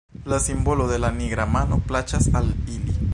La simbolo de la nigra mano plaĉas al ili.